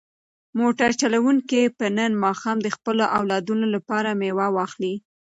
موټر چلونکی به نن ماښام د خپلو اولادونو لپاره مېوه واخلي.